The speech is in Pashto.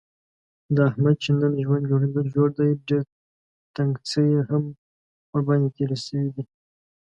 د احمد چې نن ژوند جوړ دی، ډېر تنګڅۍ هم ورباندې تېرې شوي دي.